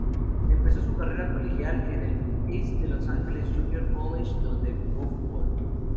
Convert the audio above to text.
Empezó su carrera colegial en la East Los Angeles Junior College donde jugó fútbol.